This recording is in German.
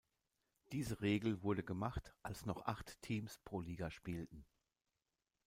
Diese Regel wurde gemacht, als noch acht Teams pro Liga spielten.